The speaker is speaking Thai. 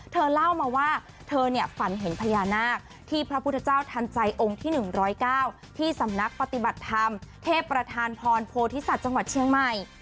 เธอเล่ามาว่าเธอฝันเห็นพญานาคที่พระพุทธเจ้าทันใจองค์ที่๑๐๙ที่สำนักปฏิบัติธรรมเทพประธานพรโพธิสัตว์จังหวัดเชียงใหม่